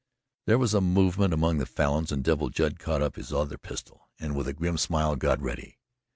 There was a movement among the Falins and Devil Judd caught up his other pistol and with a grim smile got ready.